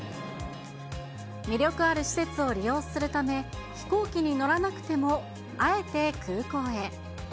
魅力ある施設を利用するため、飛行機に乗らなくても、あえて空港へ。